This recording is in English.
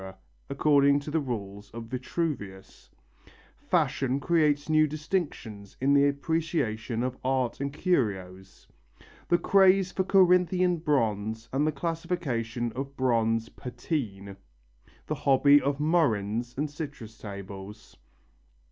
according to the rules of Vitruvius Fashion creates new distinctions in the appreciation of art and curios The craze for Corinthian bronze and the classification of bronze "patine" The hobby of murrhines and citrus tables.